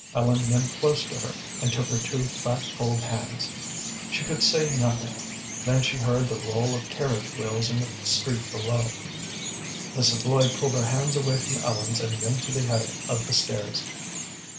Ellen went close to her, and took her two fat, cold hands. She could say nothing. Then she heard the roll of carriage wheels in the street below. Mrs. Lloyd pulled her hands away from Ellen's and went to the head of the stairs.